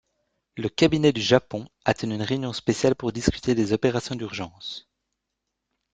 Le Cabinet du Japon a tenu une réunion spéciale pour discuter des opérations d'urgence.